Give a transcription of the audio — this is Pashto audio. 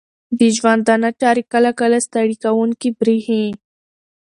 د ژوندانه چارې کله کله ستړې کوونکې بریښې